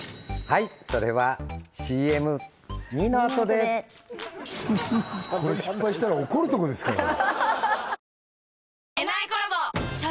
はいそれはＣＭ②のあとでこれ失敗したら怒るとこですからね